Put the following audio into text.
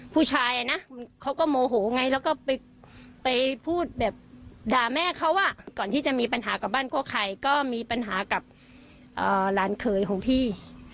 ผู้ชายนะเขาก็โมโหไงแล้วก็ไปพูดแบบด่าแม่เขาก่อนที่จะมีปัญหากับบ้านโกไข่ก็มีปัญหากับหลานเขยของพี่